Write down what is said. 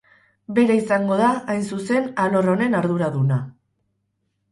Bera izango da, hain zuzen, alor honen arduraduna.